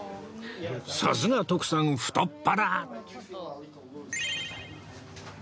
さすが徳さん太っ腹！